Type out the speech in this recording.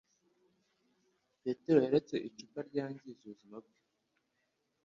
Petero yaretse icupa ryangiza ubuzima bwe